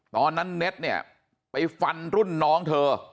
ตอนนั้นเน็ตเนี่ยไปฟันรุ่นน้องเธอ